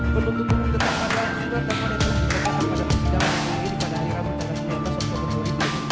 penuntutun tetap padat dan tetap menentukan pada persidangan mulia ini pada hari ramadhan dan lima belas oktober dua ribu dua puluh